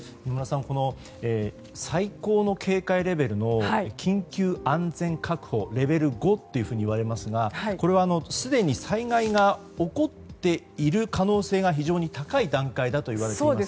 この最高の警戒レベルの緊急安全確保、レベル５といわれますがこれはすでに災害が起こっている可能性が非常に高い段階だといわれています。